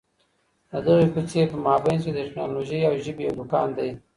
د دغي کوڅې په مابينځ کي د ټکنالوژۍ او ژبو یو دکان دی.